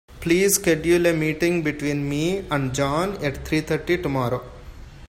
Please schedule a meeting between me and John at three thirty tomorrow.